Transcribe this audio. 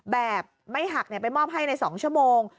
แบบไม่หักไปมอบให้ใน๒ชั่วโมง